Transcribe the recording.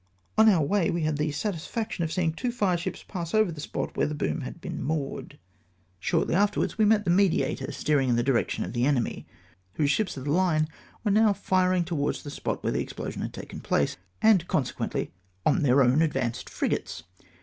On our way we had the satisfaction of seeing two fireships pass over the spot where the boom had been moored. Shortly after FAILURE OF THE ATTACK. 379 wards we met the Mediator steering in the direction of the enemy, whose ships of the Hne were now firing towards the spot where the explosion had taken place, and consequently on their own advanced frigates